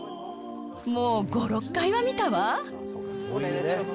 もう５、６回は見たわ。